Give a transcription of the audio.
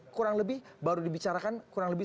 kurang lebih baru dibicarakan kurang lebih